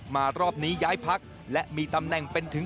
รอบนี้ย้ายพักและมีตำแหน่งเป็นถึง